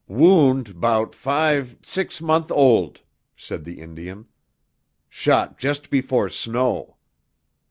"Wound 'bout fi', six month old," said the Indian. "Shot just before snow."